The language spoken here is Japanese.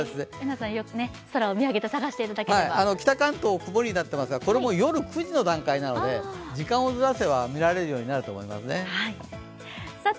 北関東、曇りになっていますが、これは夜９時の段階なので、時間をずらせば見られるようになると思いますね。